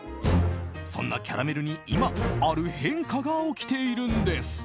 そんなキャラメルに今ある変化が起きているんです。